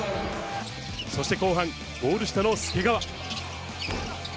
そして後半、ゴール下の介川。